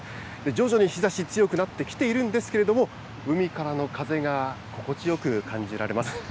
徐々に日ざし、強くなってきているんですけれども、海からの風が心地よく感じられます。